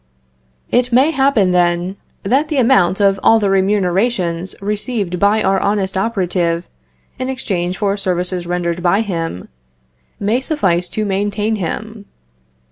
It may happen, then, that the amount of all the remunerations received by our honest operative, in exchange for services rendered by him, may suffice to maintain him.